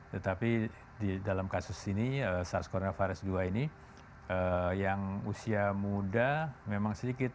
tetapi di dalam kasus ini sars cov dua ini yang usia muda memang sedikit